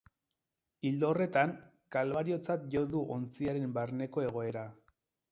Ildo horretan, kalbariotzat jo du ontziaren barneko egoera.